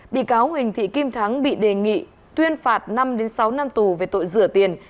bị cáo huỳnh thị kim thắng bị đề nghị tuyên phạt năm sáu năm tù về tội rửa tiền